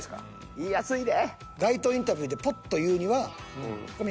言いやすいで？